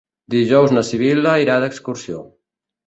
Dijous na Sibil·la irà d'excursió.